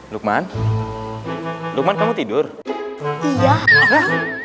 lukman lukman kamu tidur iya